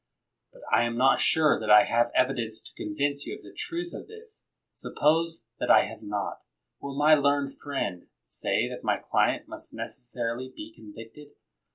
But I am not sure that I have evidence to convince you of the truth of this. Suppase that I have not ; will my learned friend say that my client must necessarily be con victed?